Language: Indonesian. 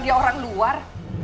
dia orang luar